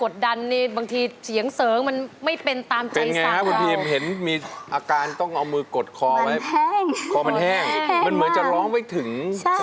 จะลีกเขาจะร้องไว้ถึง